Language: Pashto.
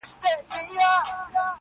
رسوي خبري چي مقام ته د لمبو په زور,